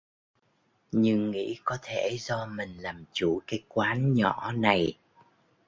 Nhưng nghĩ có thể do mình làm chủ cái quán nhỏ này